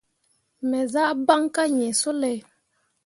Me zah baŋ kah yĩĩ sulay.